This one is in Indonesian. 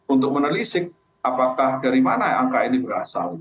untuk menelisik apakah dari mana angka ini berasal